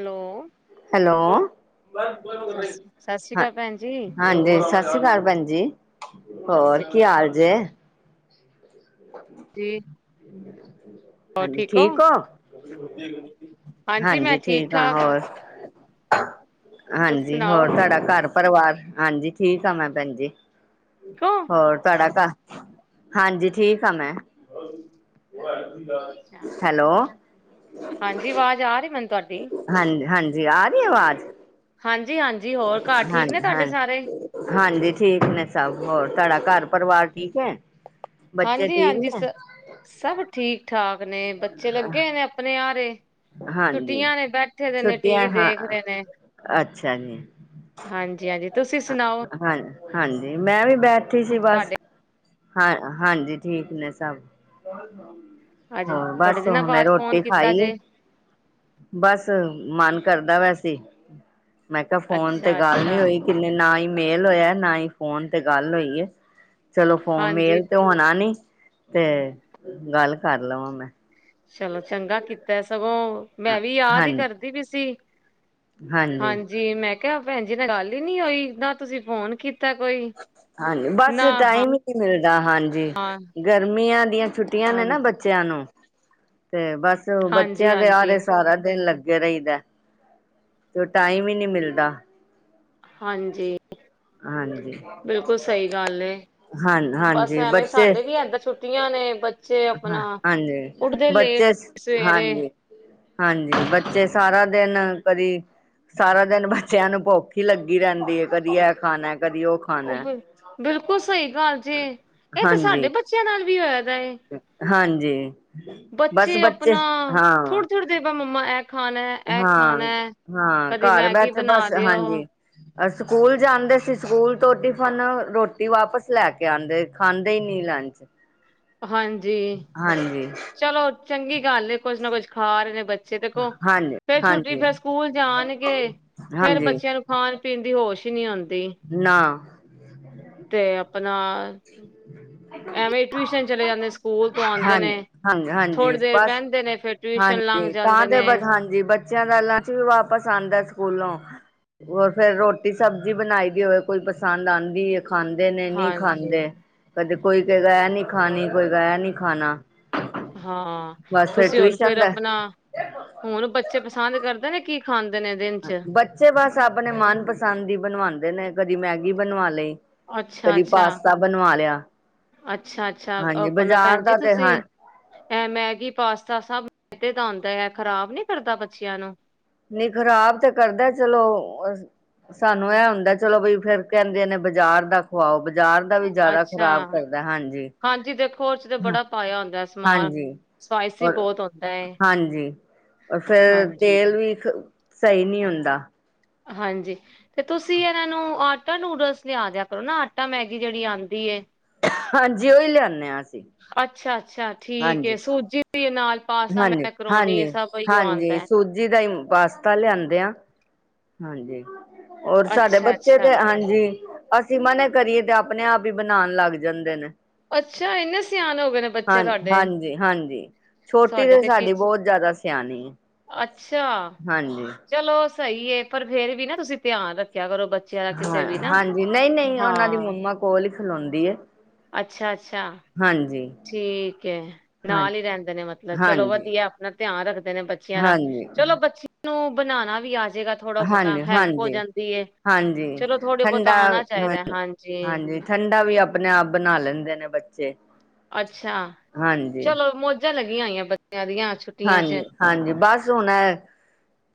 Hello. Hello. ਸਸ ਸ਼੍ਰੀ ਹਾਂ ਅਕਾਲ ਭੈਣ ਜੀ। ਹਾਂਜੀ, ਸਤਿ ਸ਼੍ਰੀ ਅਕਾਲ ਭੈਣ ਜੀ, ਸਤਿ ਹੋਰ ਸ਼੍ਰੀ ਕੀ ਹਾਲ ਜੇ? [inaudible] ਅਕਾਲ ਜੀ। ਹੋਰ ਹਾਂਜੀ, ਹੋ? ਠੀਕ ਓ? ਹਾਂਜੀ ਠੀਕ ਆ, ਹੋਰ? ਤੁਸੀਂ ਹਾਂਜੀ ਹੋਰ ਸੁਣਾਓ ਤੁਆਡਾ ਘਰ-ਪਰਵਾਰ ਹਾਂਜੀ, ਠੀਕ ਆ ਮੈਂ ਭੈਣ ਜੀ। ਠੀਕ ਹੋ? ਹੋਰ ਤੁਆਡਾ ਘਰ ਹਾਂਜੀ, ਠੀਕ ਆ ਮੈਂ। ਹੈਲੋ। ਹਾਂਜੀ, ਵਾਜ ਆ ਰੀ ਮੈਨੂੰ ਤੁਆਡੀ। ਹਾਂਜ ਹਾਂਜੀ ਆ ਰੀਏ ਆਵਾਜ? ਹਾਂਜੀ-ਹਾਂਜੀ, ਹੋਰ ਘਰ ਠੀਕ ਨੇ ਹਾਂ ਤੁਆਡੇ ਸਾਰੇ? ਹਾਂਜੀ ਠੀਕ ਨੇ ਸਭ, ਹੋਰ ਤੁਆਡਾ ਘਰ-ਪਰਵਾਰ ਠੀਕ ਐ? ਬੱਚੇ ਹਾਂਜੀ ਠੀਕ ਹਾਂਜੀ ਸ ਨੇ? ਸਭ ਠੀਕ ਠਾਕ ਨੇ, ਬੱਚੇ ਲੱਗੇ ਨੇ ਅਪਨੇ ਆਾਰੇ। ਹਾਂਜੀ ਛੁੱਟੀਆਂ ਨੇ ਬੈਠੇ ਦੇ ਨੇ, ਛੁੱਟੀਆਂ ਟੀਵੀ ਹਾਂ ਦੇਖ ਰੇ ਨੇ। ਅੱਛਾ ਜੀ ਹਾਂਜੀ-ਹਾਂਜੀ, ਤੁਸੀਂ ਸੁਨਾਓ? ਹਾਂ ਹਾਂਜੀ ਮੈਂ ਵੀ ਬੈਠੀ ਸੀ, ਬਸ। ਤੁਹਾਡੇ ਹਾਂ ਹਾਂਜੀ, ਠੀਕ ਨੇ ਸਭ। ਅੱਜ ਹਾਂ ਬੜੇ ਬਸ, ਦਿਨਾਂ ਹੁਨੇ ਬਾਅਦ ਫੋਨ ਰੋਟੀ ਕੀਤਾ ਖਾਈ ਏ। ਜੇ, ਬਸ ਮਨ ਕਰਦਾ ਵੈ ਸੀ, ਮੈਂ ਕਿਹਾ ਫੋਨ ਤੇ ਅੱਛਾ ਗੱਲ ਨੀ ਅੱਛਾ। ਹੋਈ। ਕਿਨੇ ਨਾ ਹੀ ਮੇਲ ਹੋਇਆ ਨਾ ਹੀ ਫੋਨ ਤੇ ਗੱਲ ਹੋਈ ਐ। ਚਲੋ ਫੋਨ ਹਾਂਜੀ ਮੇਲ ਤੇ ਹੋਣਾ ਨੀ, ਤੇ ਗੱਲ ਕਰ ਲਵਾਂ ਮੈਂ। ਚਲੋ ਚੰਗਾ ਕੀਤਾ, ਸਗੋਂ ਮੈਂ ਵੀ ਯਾਦ ਹੀ ਹਾਂਜੀ ਕਰਦੀ ਵੀ ਸੀ। ਹਾਂਜੀ ਮੈਂ ਕਿਹਾ ਭੈਣ ਜੀ ਨਾ ਗੱਲ ਹੀ ਨੀ ਹੋਈ ਨਾ ਤੁਸੀਂ ਫੋਨ ਕੀ- ਹਾਂਜੀ ਬਸ ਟਾਈਮ ਈ- ਨੀ ਮਿਲਦਾ ਹਾਂਜੀ, ਹਾਂ ਗਰਮੀਆਂ ਦੀਆਂ ਛੁੱਟੀਆਂ ਨੇ ਨਾ ਹਾਂਜੀ ਬੱਚਿਆਂ ਨੂੰ। ਤੇ ਬਸ ਹਾਂਜੀ ਬੱਚਿਆਂ ਦੇ ਹਾਂਜੀ ਆਰੇ ਸਾਰਾ ਦਿਨ ਲੱਗੇ ਰਹੀਦਾ। ਤੇ ਟਾਈਮ ਹੀ ਨੀ ਮਿਲਦਾ। ਹਾਂਜੀ। ਹਾਂਜੀ। ਬਿਲਕੁਲ ਸਹੀ ਗੱਲ ਏ। ਹਾਂ ਬਸ ਹਾਂਜੀ ਐਵੇਂ ਬੱਚੇ ਸਾਡੇ ਵੀ ਐਦਾ ਛੁੱਟੀਆਂ ਨੇ ਬੱਚੇ ਹਾਂ ਆਪਣਾ, ਹਾਂਜੀ ਉੱਠਦੇ ਬੱਚੇ ਲੇਟ- ਸਵੇਰੇ। ਹਾਂਜੀ ਹਾਂਜੀ ਬੱਚੇ ਸਾਰਾ ਦਿਨ ਕਦੀ- ਸਾਰਾ ਦਿਨ ਬੱਚਿਆਂ ਨੂੰ ਭੁੱਖ ਈ ਲੱਗੀ ਰਹਿੰਦੀ ਐ ਕਦੀ ਇਹ ਖਾਣਾ ਕਦੀ ਉਹ- ਉਹ ਖਾਣਾ। ਬਿਲ ਬਿਲਕੁਲ ਸਹੀ ਗੱਲ ਜੇ ਇਹ ਤੇ ਹਾਂਜੀ ਸਾਡੇ ਬੱਚਿਆਂ ਨਾਲ ਵੀ ਹੋਇਆ ਦਾ ਏ। ਹਾਂਜੀ, ਬਸ ਬੱਚੇ ਹਾਂ। ਤੇ ਮੰਮਾ ਐ ਖਾਣਾ ਐ ਖਾਣਾ, ਹਾਂ-ਹਾਂ ਕਦੀ ਘਰ ਮੈਗੀ ਬੈਠੇ ਬਣਾ ਬਸ ਦਿਓ। ਹਾਂਜੀ ਸਕੂਲ ਜਾਂਦੇ ਸੀ ਸਕੂਲ ਤੋਂ ਟਿਫਨ ਰੋਟੀ ਵਾਪਸ ਲੈ ਕੇ- ਕੇ ਆਂਦੇ ਖਾਂਦੇ ਹੀ ਨੀ ਲੰਚ। ਹਾਂਜੀ, ਚਲੋ ਚੰਗੀ ਗੱਲ ਏ ਕੁਛ ਨਾ ਕੁਛ ਖਾ ਰਹੇ ਨੇ ਬੱਚ- ਚੇ ਦੇਖੋ, ਫੇਰ ਛੁੱਟੀ ਫ਼ਿਰ ਹਾਂਜੀ-ਹਾਂਜੀ-ਹਾਂਜੀ-ਹਾਂਜੀ ਸਕੂਲ ਜਾਣਗੇ, ਫ਼ਿਰ ਬੱਚਿਆਂ ਨੂੰ- ਖ਼ਾਣ-ਪੀਣ ਦੀ ਹੋਸ਼ ਈ ਨੀਂ ਆਂਦੀ। ਨਾ। ਤੇ ਆਪਣਾਂ, ਐਂਵੇਂ ਟਿਊਸ਼ਨ ਚਲੇਂ ਜਾਂਦੇਂ ਸਕੂਲ ਤੋਂ ਆਂਦੇ ਨੇਂ। ਹਾਂਜੀ-ਹਾਂਜੀ-ਹਾਂਜੀ ਥੋੜ੍ਹੀ ਦੇਰ ਬਸ ਬਹਿੰਦੇ ਨੇਂ ਫ਼ਿਰ ਟਿਊਸ਼ਨ ਲੰਘ ਜਾਂਦੇ ਨੇਂ। ਜੀ ਬੱਚਿਆਂ ਦਾ ਲਾਂਚਕ ਵਾਪਸ ਆਂਦਾ ਸਕੂਲੋਂ। ਹੋਰ ਫ਼ਿਰ ਰੋਟੀ ਸਬਜ਼ੀ ਬਣਾਈ ਦੀ ਹੋਵੇਂ ਕੋਈ ਪਸੰਦ ਆਂਦੀ ਏਂ ਖਾਂਦੇ ਨੇਂ ਨ੍ਹੀਂ ਹਾਂਜੀ ਖਾਂਦੇ, ਕਦੇ ਕੋਈ ਕਹੇਂ ਐਹ ਨੀਂ ਖਾਣੀਂ ਕੋਈ ਕਹੇਂ ਐਹ ਨੀਂ ਖਾਣਾਂ। ਹਾਂ, ਤੁਸੀਂ ਹੁਣ ਟਿਊਸ਼ਨ ਫ਼ਿਰ ਦਾ ਆਪਣਾਂ, ਹੁਣ ਬੱਚੇ ਪਸੰਦ ਕਰਦੇਂ ਨੇਂ ਕੀ ਖਾਂਦੇ ਨੇਂ ਦਿਨ। ਚ ਬੱਚੇ ਬਸ ਆਪਣੇਂ ਮਨ ਪਸੰਦ ਦੀ ਬਣਵਾਦੇ ਨੇਂ ਕਦੀਂ ਮੈਂਗੀ ਬਣਵਾ ਲਈ ਕਦੀਂ ਪਾਸਤਾ ਬਣਵਾ ਲ਼ਿਆ। ਅੱਛਾ-ਅੱਛਾ ਆਪਣਾਂ ਭੈਣ ਜੀ ਦਾ ਤੇ ਤੁਸੀਂ। ਹਾਂ ਐਹ ਮੈਂਗੀ ਪਾਸਤਾ ਸਭ ਮੈਦੇ ਦਾ ਆਂਦਾ ਹੈਂ, ਐਹ ਖ਼ਰਾਬ ਨੀਂ ਕਰਦਾਂ ਬੱਚਿਆਂ ਨੂੰ। ਨਹੀਂ ਖ਼ਰਾਬ ਤੇ ਕਰਦਾਂ ਚਲੋਂ ਸਾਂਨੂੰ ਐਹ ਹੁੰਦਾ ਚਲੋਂ ਬਈ ਫ਼ਿਰ ਕਹਿੰਦੇ ਨੇਂ ਬਾਜ਼ਾਰ ਦਾ ਖਵਾਓ ਬ ਬਜ਼ਾਰ ਦਾ ਵੀ ਜ਼ਿਆਦਾ ਅੱਛਾ ਖ਼ਰਾਬ ਕਰਦਾਂ ਹਾਂਜੀ। ਹਾਂਜੀ ਦੇਖੋਂ ਉਹ 'ਚ ਤੇ ਬੜਾਂ ਪਾਇਆਂ ਹੁੰਦਾਂ ਸਮਾਂਨ। ਹਾਂਜੀ ਸਵਾਇਸੀ ਬਹੁਤ ਹੋਤਾਂ ਐਂ। ਫ਼ਿਰ ਤੇਲ ਵੀ, ਸਹੀ ਨੀਂ ਹੁੰਦਾਂ। ਹਾਂਜੀ। ਤੇ ਤੁਸੀਂ ਇਹਨਾਂ ਨੂੰ ਆਟਾ ਨੂਡਲਸ ਲ਼ਿਆ ਦਿਆਂ ਕਰੋਂ ਨਾ ਆਟਾ ਮੈਂਗੀ ਜਿਹੜੀ ਆਂਦੀ ਏ। ਹਾਂਜੀ ਉਹੀ ਲਿਆਨੇ, ਹਾਂ ਅਸੀਂ। ਅੱਛਾ, ਅੱਛਾ ਠੀਕ ਹਾਂਜੀ ਏਂ ਸੂਜ਼ੀ ਵੀ ਏ ਨਾਲ਼। ਪਾਸਤਾ ਹਾਂਜੀ ਮੈਂਕਰੋਨੀ ਸਬ ਏਈਓ ਆਉਂਦਾਂ ਐਂ। ਜਿਦਾ ਈਮ ਪਾਸਤਾ ਲਿਆਂਦੇ ਆ। ਹਾਂਜੀ, ਹੋਰ ਸਾਡੇ ਅੱਛਾ ਬੱਚੇ ਅੱਛਾ ਤੇ ਹਾਂਜੀ। ਅਸੀਂ ਮਨਾਂ ਕਰੀਏਂ ਤਾਂ ਆਪਣੇਂ ਆਪ ਹੀ ਬਣਾਣ ਲੱਗ ਜਾਂਦੇਂ ਨੇਂ। ਅੱਛਾ ਇੰਨੇ ਸਿਆਣੇ ਹੋ ਗਏ ਨੇ ਹਾਂ, ਬੱਚੇ ਤੁਹਾਡੇ ਹਾਂਜੀ -ਹਾਂਜੀ। ਛੋਟੀ ਸਾਡੇ ਤੇ ਕੀ ਸਾਡੀ ਬਹੁਤ ਜ਼ਿਆਦਾ ਸਿਆਣੀ ਏ ਅੱਛਾ, ਚਲੋਂ ਸਹੀ ਏਂ ਪਰ ਫ਼ਿਰ ਵੀ ਨਾ ਤੁਸੀਂ ਧਿਆਂਨ ਰੱਖਿਆਂ ਕਰੋਂ ਬਚ ਹਾਂ, ਹਾਂਜੀ ਨਹੀਂ- ਨਹੀਂ ਉਹਨਾਂ ਦੀ ਹਾਂ ਮੰਮਾ ਕੋਲ਼ ਹੀ ਖਲੋਂਦੀ ਏਂ। ਅੱਛਾ, ਅੱਛਾ। ਹਾਂਜੀ। ਠੀਕ ਏ, ਹਾਂ ਨਾਲ਼ ਹੀ ਰਹਿੰਦੇਂ ਨੇਂ ਮੱਤਲਬ ਚਲੋਂ ਹਾਂਜੀ ਵਧੀਆ ਆਪਣਾ ਧਿਆਨ ਰੱਖਦੇ ਨੇਂ ਬੱਚਿਆਂ, ਦਾ ਹਾਂਜੀ ਚਲੋਂ ਬੱਚੇ ਨੂੰ ਬਣਾਣਾ ਵੀ ਆਜੇਗਾ। ਥੋੜਾਂ ਬਹੁਤਾਂ ਹਾਂਜੀ ਹੈਲਪ ਹੋ ਹਾਂਜੀ ਜਾਂਦੀ ਏ ਹਾਂਜੀ ਚਲੋਂ ਥੋੜ੍ਹੀ ਬਹੁਤਾ ਠੰਡਾ ਆਉਣਾਂ ਹਾਂ ਚਾਹੀਂਦਾ ਹਾਂਜੀ। ਠੰਡਾ ਵੀ ਆਪਣੇਂ ਆਪ ਬਣਾਂ ਲੈਂਦੇਂ ਨੇਂ ਬੱਚੇ। ਅੱਛਾ, ਹਾਂਜੀ ਚਲੋ ਮੌਜਾਂ ਲੱਗੀਆਂ ਹੋਈਆਂ ਬੱਚਿਆਂ ਦੀਆਂ। ਛੁੱਟੀਆਂ ਹਾਂਜੀ, ਚ ਹਾਂਜੀ ਬਸ ਹੁਣ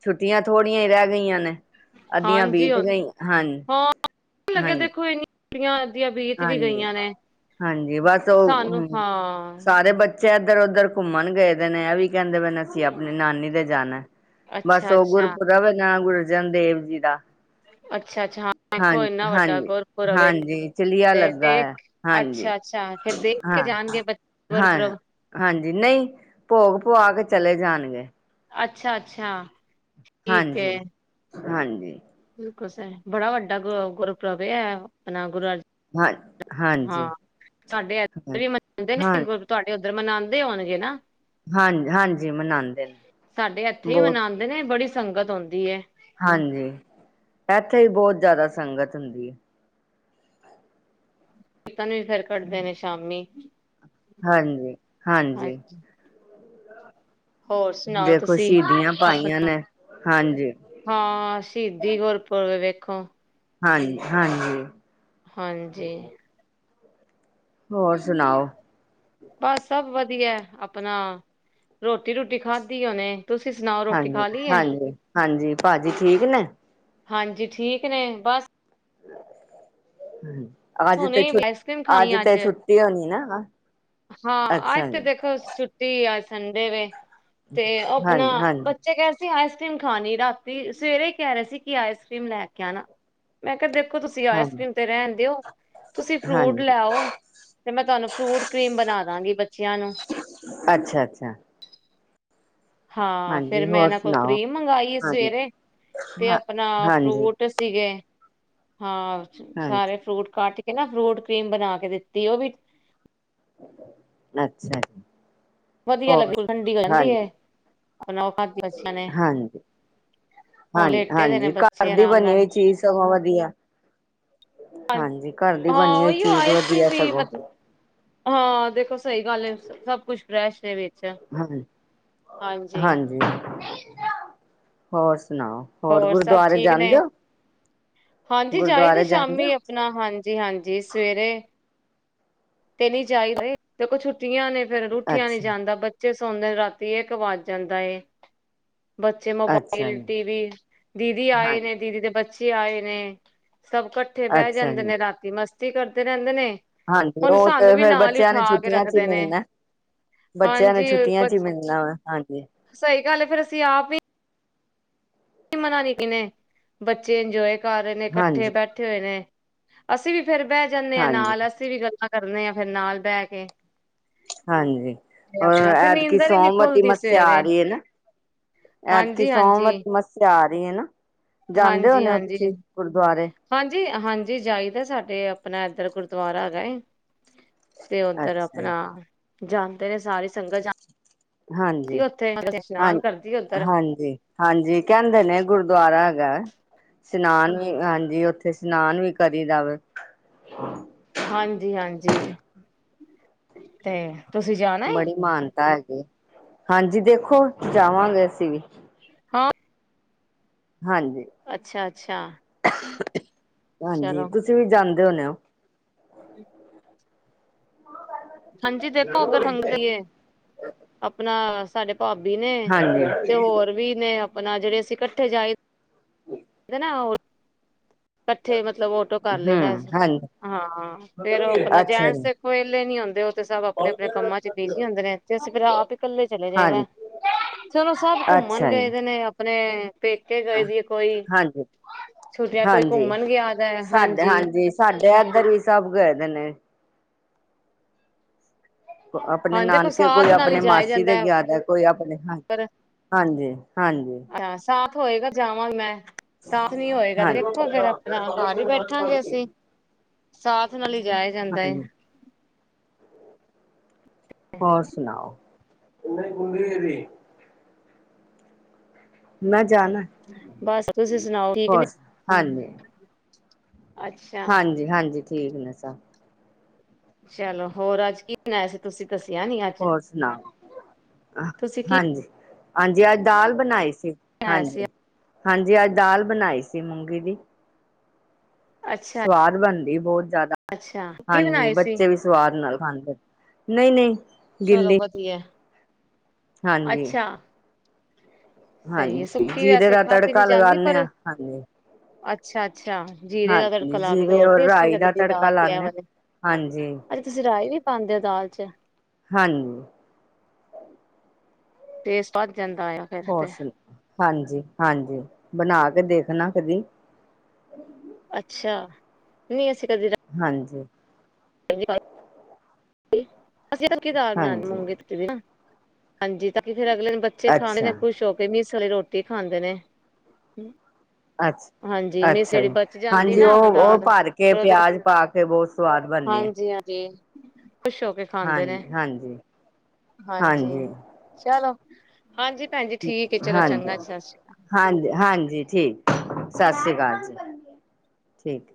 ਛੁੱਟੀਆਂ ਥੋੜੀਆਂ ਹੀ ਰਹਿ ਗਈਆ ਨੇ। ਅੱਧੀਆਂ ਬੀਤ ਗਈ, ਹਨ [unintelligible] ਲਗਿਆ ਦੇਖੋਂ ਏਨੀਂ। ਛੁੱਟੀਆਂ ਅੱਧੀਆਂ ਬੀਤ ਵੀ ਹਾਂਜੀ ਗਈਆਂ ਨੇ, ਹਾਂਜੀ ਬਸ ਉਹ ਸਾਨੂੰ ਹਮ ਹਾਂ ਸਾਰੇ ਬੱਚੇ ਇੱਧਰ ਉੱਧਰ ਘੁੰਮਣ ਗਏ ਦੇ ਨੇ, ਐਵੀ ਕਹਿੰਦੇ ਪਏ ਨੇ ਅਸੀਂ ਆਪਣੀ ਨਾਨੀ ਦੇ ਜਾਣਾ। ਬਸ ਅੱਛਾ ਉਹ ਅੱਛਾ ਗੁਰਪੁਰਬ ਹੈਗਾ ਗੁਰ ਅਰਜਨ ਦੇਵ ਜੀ ਦਾ। ਅੱਛਾ-ਅੱਛਾ ਹਾਂ ਦੇਖੋ ਹਾਂਜੀ ਇੰਨਾ ਵੱਡਾ ਹਾਂਜੀ, ਗੁਰਪੁਰਬ ਏ ਹਾਂਜੀ। ਚਲੀਆਂ ਤੇ ਲੱਗਾ ਹੈਂ, ਦੇਖ ਹਾਂਜੀ ਅੱਛਾ-ਅੱਛਾ ਫੇਰ ਦੇਖ ਕੇ ਹਾਂ, ਹਾਂ, ਜਾਣਗੇ ਬੱਚੇ ਹਾਂ ਗੁਰਪੁਰਬ ਹਾਂਜੀ ਨਹੀਂ ਭੋਗ ਪਵਾ ਕੇ ਚਲੇਂ ਜਾਂਣਗੇ। ਅੱਛਾ, ਅੱਛਾ। ਹਾਂਜੀ- ਹਾਂਜੀ। ਬਿਲਕੁਲ ਸਹੀ, ਬੜਾ ਵੱਡਾ ਗੁਰ ਗੁਰਪੁਰਬ ਇਹ ਹੈ ਆਪਣਾ ਗੁਰੂ ਹਾਂ ਅਰਜਨ ਹਾਂ ਹਾਂਜੀ ਸਾਡੇ ਇਧਰ ਹਾਂ ਵੀ ਮਨਾਉਂਦੇ ਹਾਂ ਨੇ ਗੁਰ ਤੁਹਾਡੇ ਉੱਧਰ ਮਨਾਉਂਦੇ ਹੋਣਗੇ ਨਾ। ਹਾਂ ਹਾਂਜੀ ਮਨਾਉਂਦੇ ਨੇ ਬਹੁਤ ਕਹਿੰਦੇ ਨੇ ਬੜੀ ਸੰਗਤ ਹੁੰਦੀ ਏ। ਹਾਂਜੀ ਇੱਥੇ ਹੀ ਬਹੁਤ ਜ਼ਿਆਦਾ ਸੰਗਤ ਹੁੰਦੀ ਹੈ। ਨਗਰ ਕੀਰਤਨ ਵੀ ਫੇਰ ਕੱਢਦੇ ਨੇ ਸ਼ਾਮੀ। ਹਾਂਜੀ, ਹਾਂਜੀ ਹੋਰ ਸੁਣਾਓ ਦੇਖੋ ਤੁਸੀਂ ਸ਼ਹੀਦੀਆਂ ਪਾਈਆਂ ਆਪਣਾ? ਨੇ ਹਾਂਜੀ ਹਾਂ ਸ਼ਹੀਦੀ ਗੁਰਪੁਰਬ ਵੇਖੋ ਹਾਂਜੀ, ਹਾਂਜੀ ਹਾਂਜੀ। ਹੋਰ ਸੁਣਾਓ? ਬਸ ਸਭ ਵਧੀਆ ਆਪਣਾ ਰੋਟੀ ਰੂਟੀ ਖਾਧੀ ਹੁਣੇ। ਤੁਸੀਂ ਸੁਣਾਓ? ਰੋਟੀ ਹਾਂਜੀ, ਖਾ ਲਈ ਹੈ ਹਾਂਜੀ, ਹਾਂਜੀ, ਭਾਜੀ ਠੀਕ ਨੇ। ਹਾਂਜੀ ਠੀਕ ਨੇ ਬਸ ਅੱਜ ਹੁਣੇ ਤੇ ਛੁ ਆਈਸ ਕਰ੍ਰੀਮ ਖਾਣੀ ਅੱਜ ਤੇ ਛੁੱਟੀ ਹੋਣੀ ਨਾ ਹਨਾ ਹਾਂ ਆੱਜ ਤੇ ਦੇਖੋ ਛੁੱਟੀ ਅੱਜ ਸੰਡੇ ਵੇ। ਤੇ ਅਪਣਾ ਹਾਂਜੀ ਹਾਂਜੀ ਬੱਚੇ ਕੈ ਤੇ ਆਈਸ-ਕ੍ਰੀਮ ਖਾਣੀ ਰਾਤੀ ਸਵੇਰੇ ਈ ਕੈ ਰੇ ਸੀ ਕਿ ਆਈਸ-ਕ੍ਰੀਮ ਲੈ ਕੇ ਆਣਾ। ਮੈਂ ਕੇਆ ਦੇਖੋ ਤੁਸੀਂ ਹਾਂਜੀ ਆਈਸ-ਕ੍ਰੀਮ ਤੇ ਰੈਣ ਦਓ, ਤੁਸੀਂ ਫਰੂਟ ਹਾਂਜੀ ਲੈ ਆਓ। ਤੇ ਮੈਂ ਤਾਨੂੰ ਫਰੂਟ ਕ੍ਰੀਮ ਬਣਾ ਦਾਂਗੀ ਬੱਚਿਆਂ ਨੂੰ। ਅੱਛਾ-ਅੱਛਾ। ਹਾਂ ਫੇਰ ਹਾਂਜੀ ਮੈਂ ਹੋਰ ਐਨਾਂ ਕੋਲ ਸੁਣਾਓ ਕਰੀਮ ਮੰਗਾਈ ਆ ਹਾਂਜੀ ਸਵੇਰੇ, ਤੇ ਹਾਂ ਆਪਣਾ ਹਾਂਜੀ ਫਰੂਟ ਸੀਗੇ ਹਾਂ ਹਾਂਜੀ ਸਾਰੇ ਫਰੂਟ ਕੱਟ ਕੇ- ਨਾ ਫਰੂਟ ਕਰੀਮ ਬਣਾ ਕੇ ਦਿੱਤੀ, ਓ ਵੀ ਅੱਛਾ। ਵਧੀਆ ਹੋਰ ਲੱਗੀ ਠੰਡੀ ਹੋ ਜਂਦੀ ਏ ਅਪਣਾ ਓ ਖਾ ਹੁਣ ਲੇਟੇ ਦੇ ਨੇ ਹਾਂਜੀ-ਹਾਂਜੀ-ਹਾਂਜੀ ਕਾਰ ਬੱਚੇ ਦੀ ਆਰਾਮ ਬਣੀ ਨਾਲ ਹੋਈ ਚੀਜ਼ ਸਗੋਂ ਵਧੀਆ ਹਾਂਜੀ ਘੱਰ ਦੀ ਬਣੀ ਹਾਂ ਹੋਈ ਉਹੀਓ ਚੀਜ਼ ਆਈਸ ਵਧੀਆ ਕਰ੍ਰੀਮ ਵੀ ਸਗੋਂ ਮਤਲਬ ਹਾਂ ਦੇਖੋ ਸਈ ਗੱਲ ਏ, ਸਭ ਕੁਛ ਬਰੈਸਟ ਐ ਵਿੱਚ ਹੂੰ ਹਾਂਜੀ ਹੋਰ ਸੁਨਾਓ? ਹੋਰ ਸਭ ਠੀਕ ਨੇ ਹਾਂਜੀ ਜਾਈਦਾ ਗੁਰਦੁਆਰੇ ਜਾਂਦੇ ਹੋ ਸ਼ਾਮੀ ਅਪਣਾ ਹਾਂਜੀ-ਹਾਂਜੀ ਸਵੇਰੇ ਤੇ ਨ ਜਾਹੀਦੇ ਦੇਖੋ ਛੁੱਟੀਆਂ ਨੇ ਫੇਰ ਓਠੇਆਂ ਨੀ ਅੱਛਾ ਜਾਂਦਾ ਬੱਚੇ ਬੱਚੇ ਸੌਦੇ ਰਾਤੀ ਏਕ ਵਜ ਜਾਂਦਾ ਏ। ਬੱਚੇ ਅੱਛਾ ਮੋਬਾਈਲ, ਜੀ ਟੀਵੀ ਦੀਦੀ ਹਾਂ ਆਏ ਨੇ ਦੀਦੀ ਦੇ ਬੱਚੇ ਆਏ ਨੇ ਸਭ ਇਕੱਠੇ ਬੈ ਅੱਛਾ ਜਾਂਦੇ ਜੀ ਨੇ ਰਾਤੀ ਮਸਤੀ ਕਰਦੇ ਰੈਂਦੇ ਨੇ ਹਾਂਜੀ ਹੁਣ ਓ ਤੇ ਸਾਨੂੰ ਵੀ ਫੇਰ ਨਾਲ ਹੀ ਬੱਚਿਆਂ ਨੇ ਉਠਾ ਕੇ ਛੁੱਟੀਆਂ ਚ ਈ ਰੱਖਦੇ ਨੇ ਮਿਲਣਾ। ਬੱਚਿਆਂ ਨੇ ਹਾਂਜੀ ਛੁੱਟੀਆਂ ਚ ਈ ਮਿਲਣਾ ਵੈ ਹਾਂਜੀ ਸਈ ਗੱਲ ਏ, ਫੇਰ ਅਸੀਂ ਆਪ ਈ ਮਨਾ ਨੀ ਕਿਨੇ ਬੱਚੇ ਇੰਜੋਏ ਕਰ ਰੇ ਨੇ ਇਕੱਠੇ ਹਾਂਜੀ ਬੈਠੇ ਇਕੱਠੇ ਹੋਏ ਨੇ ਅਸੀਂ ਵੀ ਫੇਰ ਬੈ ਜਣੇ ਆ ਹਾਂਜੀ ਨਾਲ ਅਸੀਂ ਵੀ ਗੱਲਾਂ ਕਰਨੇ ਹਾਂ ਫਿਰ ਨਾਲ ਬੈ ਕੇ ਹਾਂਜੀ ਤੇ ਹੋ ਆਪਣਾ ਫੇਰ ਐਤਕੀ ਨੀਂਦਰ ਹੀ ਨੀ ਸੋਮਵਤੀ ਖੁੱਲਦੀ ਮੱਸਿਆ ਆ ਸਵੇਰੇ ਰੀ ਏ ਨਾ ਐਤਕੀ ਹਾਂਜੀ, ਹਾਂਜੀ। ਸੋਮਵਤੀ ਮੱਸਿਆ ਆ ਰੀ ਏ ਨਾ, ਜਾਂਦੇ ਹਾਂਜੀ, ਹੋਣੇ ਓ ਹਾਂਜੀ, ਤੁਸੀਂ। ਗੁਰਦਵਾਰੇ। ਹਾਂਜੀ, ਹਾਂਜੀ ਜਾਈਦਾ ਸਾਡੇ ਆਪਣਾ ਐਧਰ ਗੁਰਦੁਆਰਾ ਹੈਗਾ ਏ। ਤੇ ਓਧਰ ਅੱਛਾ ਜੀ। ਆਪਣਾ ਜਾਂਦੇ ਨੇ ਸਾਰੀ ਸੰਗਤ ਜਾਂ ਇਸ਼ਨਾਨ ਕਰਦੀ ਉੱਧਰ ਹਾਂਜੀ-ਹਾਂ-ਹਾਂਜੀ। ਹਾਂਜੀ, ਕੈਂਦੇ ਨੇ ਗੁਰਦਆਰਾ ਹੈਗਾ। ਸਿਨਾਨ ਵੀ ਹਾਂਜੀ ਓਥੇ ਸਿਨਾਨ ਵੀ ਕਰੀ ਦਾ ਵੇ। ਹਾਂਜੀ-ਹਾਂਜੀ। ਬੜੀ ਮਾਨ ਤਾਂ ਹੈਗੇ। ਹਾਂਜੀ ਦੇਖੋ ਜਾਵਾਂਗੇ ਅਸੀਂ ਵੀ। ਹਾਂ ਹਾਂਜੀ, ਅੱਛਾ ਅੱਛਾ ਹਾਂਜੀ ਚਲੋ ਤੁਸੀਂ ਵੀ ਜਾਂਦੇ ਹੋਣੇ ਓ। [unintelligible] ਹਾਂਜੀ ਦੇਖੋ ਅਗਰ ਹੁੰਦੀ ਏ ਆਪਣਾ ਸਾਡੇ ਪਾਬੀ ਨੇ ਤੇ ਹਾਂਜੀ ਹੋਰ ਵੀ ਨੇ ਆਪਣਾ ਜੇੜੇ ਅਸੀਂ ਕੱਠੇ ਜਾਈ ਹੁੰ ਦੇਣਾ ਓ ਏਥੇ ਮਤਲਬ ਅੋਟੋ ਕੱਰ ਲਦਾ, ਹੂੰ ਹਾਂਜੀ ਹਾਂ, ਫੇਰ ਓ ਅਪਣਾ ਅੱਛਾ ਜੈਨਸ ਜੀ। ਹੋਏਲੇ ਨੀ ਓਦੇ ਓ ਤੇ ਸਭ ਅਪਣੇ-ਅਪਣੇ ਕੰਮਾਂ ਚ ਬਿਜੀ ਹੁੰਦੇ ਨੇ, ਤੇ ਅਸੀਂ ਫੇਰ ਆਪ ਈ ਕਲੇ ਚਲੇ ਜਾਈਦੈ ਹਾਂਜੀ ਚਲੋ ਸਭ ਘੁੰਮਣ ਅੱਛਾ ਜੀ ਗੇਦੇ ਨੇ ਅ ਅਪਣੇ, ਪੇਕੇ ਗਏ ਦੀ, ਕੋਈ ਹਾਂਜੀ ਛੁੱਟੀਆਂ ਕੋਈ ਹਾਂਜੀ ਘੁੰਮਣ ਗੇਆ ਦੈ, ਹਾਂਜੀ ਸਾਡੇ ਏਧਰ ਵੀ ਸਭ ਗੇ ਦੇ ਨੇ। ਕੋ ਅਪਣੇ ਹਾਂਜੀ ਦੇਖੋ ਨਾਨਕੇ ਕੋਈ, ਸਾਥ ਨਾਲ ਹੀ ਆਪਣੇ ਜਾਇਆ ਮਾਸੀ ਜਾਂਦਾ ਦੇ ਹੈ। ਗੇਆ ਦੈ, ਕੋਈ ਆਪਣੇ ਹਾਂ ਪਰ ਹਾਂਜੀ-ਹਾਂਜੀ। ਹਾਂ ਸਾਥ ਹੋਏਗਾ ਜਾਵਾਂ ਮੈਂ। ਸਾਥ ਨੀ ਹੋਏਗਾ ਤੇ ਹਾਂਜੀ ਦੇਖੋ ਫੇਰ ਅਪਣਾ ਘੱਰ ਈ ਬੈਠਾਗੇ ਅਸੀ। ਸਾਥ ਨਾਲ ਈ ਜਾਆ ਜਾਂਦਾ ਏ ਹਾਂਜੀ ਹੋਰ ਸੁਣਾਓ ਮੈਂ ਜਾਣਾ, ਬਸ ਤੁਸੀਂ ਸੁਣਾਓ ਠੀਕ ਨੇ? ਹੋਸ, ਹਾਂਜੀ ਅੱਛਾ ਹਾਂਜੀ-ਹਾਂਜੀ ਠੀਕ ਨੇ ਸ ਚਲੋ ਹੋਰ ਅੱਜ ਕੀ ਮਨਾਆ ਸੀ ਤੁਸੀਂ ਦੱਸੇਆ ਨੀ ਅੱਜ? ਹੋਰ ਸੁਣਾਓ ਤੁਸੀ ਕੀ ਹਾਂਜੀ ਹਾਂਜੀ ਅੱਜ ਦਾਲ ਬਣਾਈ ਸੀ, ਬਣਾਇਆ ਸੀ ਹਾਂਜੀ, ਹਾਂਜੀ ਅੱਜ ਦਾਲ ਬਣਾਈ ਸੀ ਮੂੰਗੀ ਦੀ। ਅੱਛਾ। ਸਵਾਦ ਬਣਦੀ ਬੋਤ ਜਾਦਾ, ਅੱਛਾ ਕੀ ਹਾਂਜੀ ਬਣਾਈ ਸੀ ਬੱਚੇ ਵੀ ਸਵਾਦ ਨਾਲ ਖਾਂਦੇ, ਨਈ-ਨਈ ਚਲੋ ਵਧੀਐ ਹਾਂਜੀ। ਸਈ ੲੈ, ਹਾਂਜੀ ਸੁੱਕੀ ਜੀਰੇ ਵੈਸੇ ਦਾ ਖਾਦੀ ਨੀ ਤੜਕਾ ਜਾਂਦੀ ਲਗਾਨੇ ਪਰ, ਆ ਹਾਂਜੀ ਅੱਛਾ-ਅੱਛਾ ਜੀਰੇ ਦਾ ਤੜਕਾ ਹਾਂਜੀ ਲਾ ਕੇ ਤੇ ਜੀਰੇ ਹੋ ਔਰ ਟੇਸਟੀ ਰਾਈ ਦਾ ਲੱਗਦੀ ਦਾਲ ਤੜਕਾ ਤੇ ਐ ਲਾਨੇ ਆ ਹਾਂਜੀ ਵਾਲੇ ਤੁਸੀਂ ਰਾਏ ਵੀ ਪਾਦੇ ਓ ਦਾਲ ਚ। ਹਾਂਣ। ਟੇਸਟ ਵੱਧ ਜਾਂਦਾ ਆ ਫਿਰ ਤੇ ਫੋਰਸੇਲ, ਹਾਂਜੀ, ਹਾਂਜੀ, ਬਣਾ ਕੇ ਦੇਖਣਾ ਕਦੀ ਅੱਛਾ, ਨਈ ਅਸੀਂ ਕਦੇ ਹਾਂਜੀ। ਸਸ੍ਰੀ ਕਾਲ। ਅਸੀਂ ਤਾਂ ਕਿਦਾਰ ਹਾਂਜੀ ਨਾਨੂੰ ਗੇ [unintelligible] ਆਜੀ ਤਾਂ ਕਿ ਫਿਰ ਅਗਲੇ ਦਿਨ ਬੱਚੇ ਖਾਦੇ ਨੇ ਅੱਛਾ ਕੁਸ਼ਹੁ ਮਸਲੀ ਰੋਟੀ ਖਾਂਦੇ ਨੇ। ਅੱਛਾ ਹਾਂਜੀ, ਅੱਛਾ ਮੇਸਰੀ ਜੀ ਬੱਚ ਜਾਂਦੀ ਹਾਂਜੀ ਨਾ ਉਹ ਉਹ ਬਗਾਲ, ਭਰ ਕੇ ਫੇਰ ਜਦੋ ਪਿਆਜ ਪਾ ਕੇ ਬਹੁਤ ਸਵਾਦ ਬਣਦੀ ਹੈ ਹਾਂਜੀ ਆਜੀ ਖੁਸ਼ ਹੋ ਕੇ ਖਾਂਦੇ ਨੇ, ਹਾਂਜੀ ਹਾਂਜੀ ਹਾਂਜੀ। ਚਲੋ, ਹਾਂਜੀ ਭੈਣ ਜੀ ਠੀਕ ਏ, ਚਲੋ ਚੰਗਾ ਸਸ੍ਰੀ ਕਾਲ। ਹਾਂਜੀ-ਹਾਂਜੀ, ਠੀਕ ਸਾਸ਼੍ਰੀ ਕਾਲ ਜੀ ਠੀਕ।